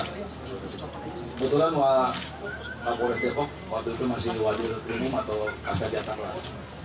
kebetulan warga korea depok waktu itu masih diwarisi rumum atau pasca jantan kelas